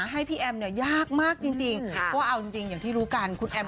ให้พี่แอมเนี่ยยากมากจริงคุณแอม